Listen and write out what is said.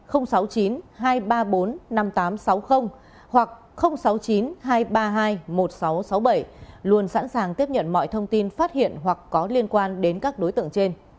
sáu mươi chín hai trăm ba mươi bốn năm nghìn tám trăm sáu mươi hoặc sáu mươi chín hai trăm ba mươi hai một nghìn sáu trăm sáu mươi bảy luôn sẵn sàng tiếp nhận mọi thông tin phát hiện hoặc có liên quan đến các đối tượng trên